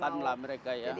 silahkan lah mereka ya